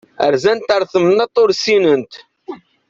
Rzant ar temnaḍt ur ssinent.